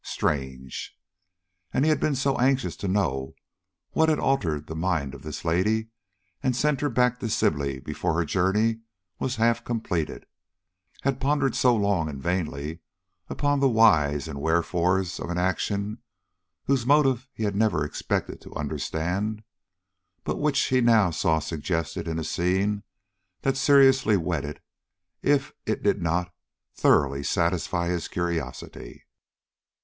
Strange! And he had been so anxious to know what had altered the mind of this lady and sent her back to Sibley before her journey was half completed had pondered so long and vainly upon the whys and wherefores of an action whose motive he had never expected to understand, but which he now saw suggested in a scene that seriously whetted, if it did not thoroughly satisfy, his curiosity.